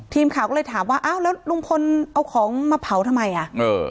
ทีมข่าวก็เลยถามว่าอ้าวแล้วลุงพลเอาของมาเผาทำไมอ่ะเออ